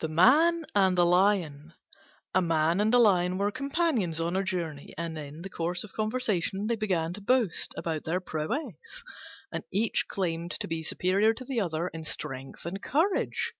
THE MAN AND THE LION A Man and a Lion were companions on a journey, and in the course of conversation they began to boast about their prowess, and each claimed to be superior to the other in strength and courage.